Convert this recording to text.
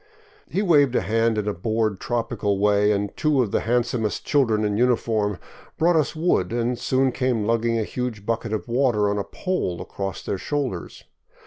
He waved a hand in a bored, tropical way, and two of the handsomest children in uniform brought us wood, and soon came lugging a huge bucket of water on a pole across their shoulders.